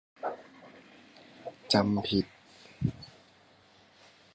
จำผิด